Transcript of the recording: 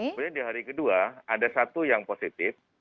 kemudian di hari kedua ada satu yang positif